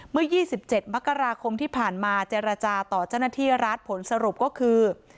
เมื่อ๒๗มกราคมที่ผ่านมาเจรจาต่อเจ้าหน้าที่รัฐผลสรุปก็คือ